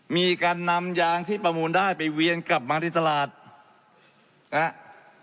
มีการนำยางที่ประมูลได้ไปเวียนกลับมาที่ตลาดนะครับ